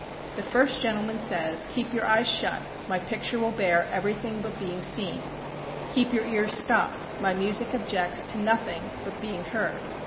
The first gentleman says, "Keep your eyes shut, my picture will bear everything but being seen;" "Keep your ears stopped, my music objects to nothing but being heard."